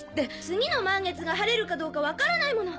次の満月が晴れるかどうか分からないもの。